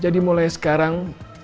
jadi mulai sekarang